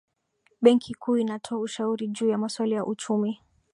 benki kuu inatoa ushauri juu ya masuala ya uchumi